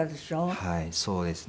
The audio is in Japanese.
はいそうですね。